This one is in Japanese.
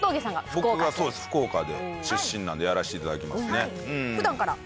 福岡で出身なんでやらせていただきますね。